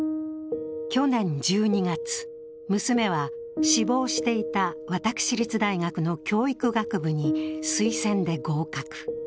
去年１２月、娘は志望していた私立大学の教育学部に推薦で合格。